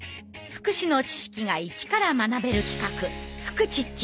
福祉の知識が一から学べる企画「フクチッチ」。